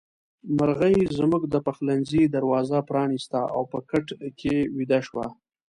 مرغۍ زموږ د پخلنځي دروازه پرانيسته او په کټ کې ويده شوه.